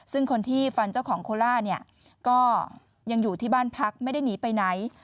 ซึ่งคนที่ฟันเจ้าของโคล่าเนี่ยก็ยังอยู่ที่บ้านพักไม่ได้หนีไปไหน